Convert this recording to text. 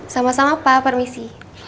sama sama pak permisi